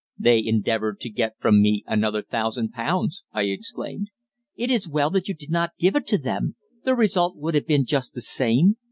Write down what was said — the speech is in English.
"They endeavoured to get from me another thousand pounds," I exclaimed. "It is well that you did not give it to them. The result would have been just the same.